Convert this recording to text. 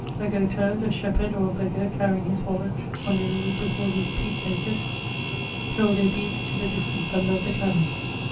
A goatherd, a shepherd, or a heggar carrying his wallet, on their knees before these peacemakers, told their beads to the distant thunder of the cannon.